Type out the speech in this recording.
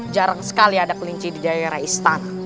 jarang sekali ada kelinci di daerah istana